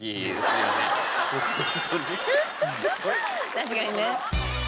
確かにね。